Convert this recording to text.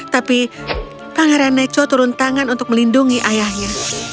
tapi pangeran neco turun tangan untuk melindungi ayahnya